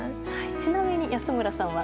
ちなみに安村さんは？